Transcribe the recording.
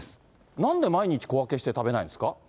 なんで毎日小分けして食べないんですか？